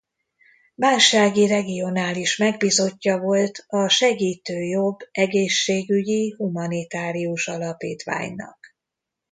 Bánsági regionális megbízottja volt a Segítő Jobb Egészségügyi Humanitárius Alapítványnak.